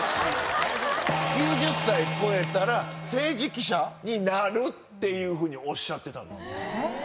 ９０歳超えたら政治記者になるっていうふうにおっしゃってた。